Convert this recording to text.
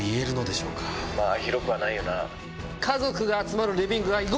広くはないよな。